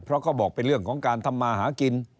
เพราะเขาบอกเป็นเรื่องของการทำมาหากิน